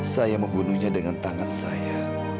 saya membunuhnya dengan tangan saya